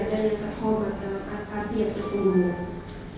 dan yang terhormat dalam arti yang sesungguhnya